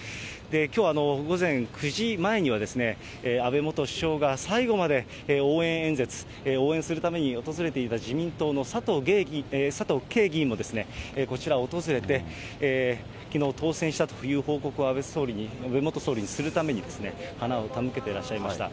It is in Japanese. きょうは午前９時前にはですね、安倍元首相が最後まで応援演説、応援するために訪れていた自民党のさとうけい議員もこちら訪れて、きのう当選したという報告を安倍総理に、安倍元総理に報告するために花を手向けてらっしゃいました。